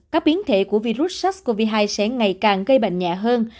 các biến thể của virus sars cov hai sẽ ngày càng gây bệnh nhẹ hơn